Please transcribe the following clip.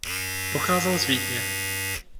Pocházel z Vídně.